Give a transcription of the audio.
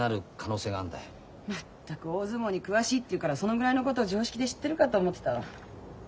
全く大相撲に詳しいっていうからそのぐらいのこと常識で知ってるかと思ってたわ。